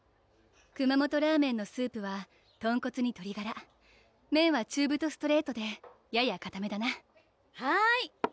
熊本ラーメンのスープは豚骨に鶏ガラ麺は中太ストレートでややかためだなはい！